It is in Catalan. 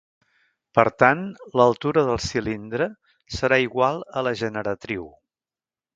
Per tant l'altura del cilindre serà igual a la generatriu.